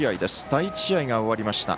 第１試合が終わりました。